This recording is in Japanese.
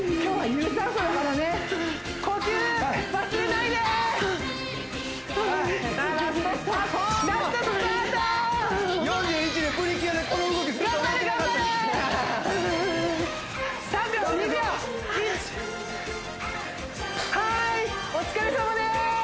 みんなお疲れさまです